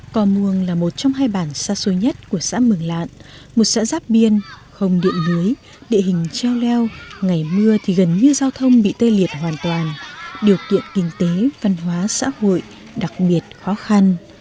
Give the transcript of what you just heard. co muông là một trong hai bản xa xôi nhất của xã mường lạn một xã giáp biên không điện lưới địa hình treo leo ngày mưa thì gần như giao thông bị tê liệt hoàn toàn điều kiện kinh tế văn hóa xã hội đặc biệt khó khăn